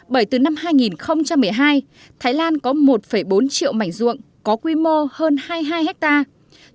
bởi từ năm hai nghìn một mươi hai thái lan có một bốn triệu mảnh ruộng có quy mô hơn hai mươi hai hectare